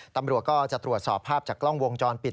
ตำรวจก็จะตรวจสอบภาพจากกล้องวงจรปิด